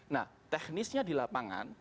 nah teknisnya di lapangan